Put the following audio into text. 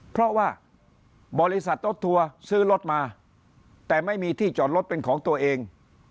เพราะว่าบริษัทรถทัวร์ซื้อรถมาแต่ไม่มีที่จอดรถเป็นของตัวเอง